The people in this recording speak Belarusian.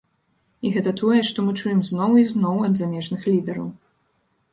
І гэта тое, што мы чуем зноў і зноў ад замежных лідараў.